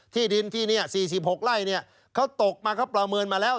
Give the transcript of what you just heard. ที่ดินที่นี่๔๖ไร่เขาตกมาเขาประเมินมาแล้ว